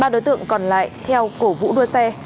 ba đối tượng còn lại theo cổ vũ đua xe